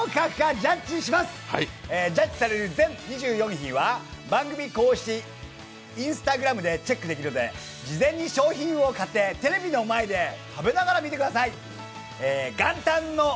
ジャッジされる全２４品は番組公式Ｉｎｓｔａｇｒａｍでチェックできるので事前に商品を買ってテレビの前で食べながら見てください。